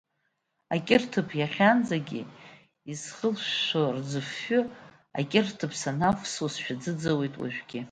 Акьырҭыԥ иахьанӡагьы изхылшәшәо рыӡфҩы, акьырҭыԥ санавсуа сшәаӡыӡуеит уажәгьы.